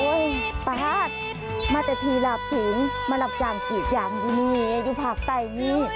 โอ้ยปากมาแต่ทีหลับถึงมาหลับจามกี่อย่างดูนี่ดูภาคใต้นี่